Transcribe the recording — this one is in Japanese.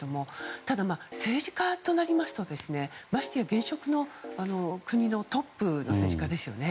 ただ、政治家となりますと現職の国のトップの政治家ですよね。